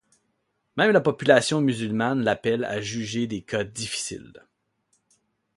Même la population musulmane l'appelle à juger des cas difficiles.